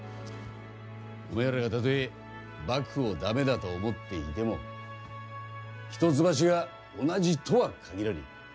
お前らがたとえ幕府を駄目だと思っていても一橋が同じとは限らねぇ。